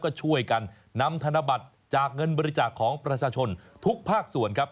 ก็ช่วยกันนำธนบัตรจากเงินบริจาคของประชาชนทุกภาคส่วนครับ